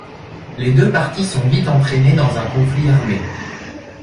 Les deux parties sont vite entraînées dans un conflit armé.